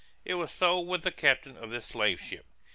It was so with the captain of this slave ship.